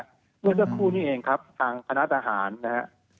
เพราะว่าคู่นี้เองครับทางพนักอาหารนะครับ